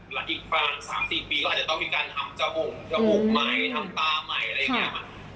หลักอีกฝั่ง๓๔ปีก็อาจจะต้องมีการทำจมูกจมูกไม้ทำตาใหม่อะไรอย่างนี้